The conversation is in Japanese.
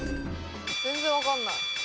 全然わからない。